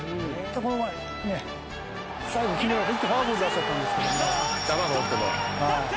この前にね最後１個フォアボール出しちゃったんですけども。